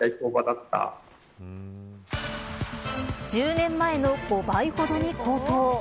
１０年前の５倍ほどに高騰。